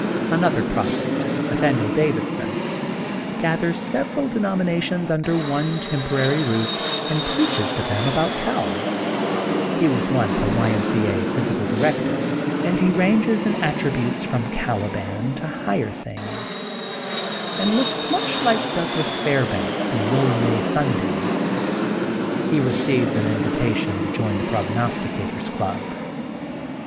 Another prophet, Nathanial Davidson, gathers several denominations under one temporary roof, and preaches to them about helL He was once a Y. M. C. A. physical di rector, and he ranges in attributes from Cali ban to higher things, and looks much like Douglas Fairbanks and William A. Sunday. He receives an invitation to join the Prognos ticator's Club.